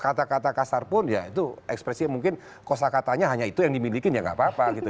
kata kata kasar pun ya itu ekspresi mungkin kosa katanya hanya itu yang dimiliki ya nggak apa apa gitu